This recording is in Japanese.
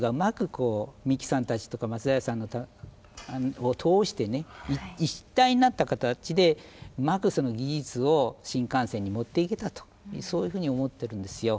こう三木さんたちとか松平さんを通してね一体になったかたちでうまく技術を新幹線に持っていけたとそういうふうに思ってるんですよ。